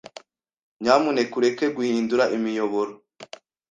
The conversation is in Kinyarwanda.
Nyamuneka ureke guhindura imiyoboro.